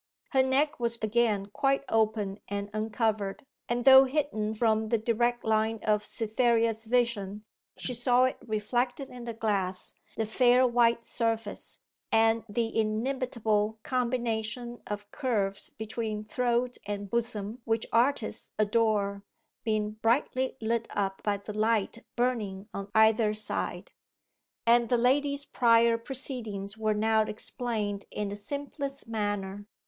Her neck was again quite open and uncovered, and though hidden from the direct line of Cytherea's vision, she saw it reflected in the glass the fair white surface, and the inimitable combination of curves between throat and bosom which artists adore, being brightly lit up by the light burning on either side. And the lady's prior proceedings were now explained in the simplest manner.